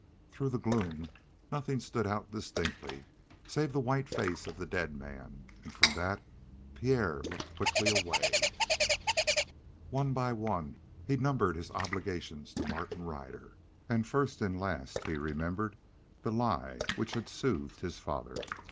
Through the gloom nothing stood out distinctly save the white face of the dead man, and from that Pierre looked quickly away. One by one he numbered his obligations to Martin Ryder, and first and last he remembered the lie which had soothed his father.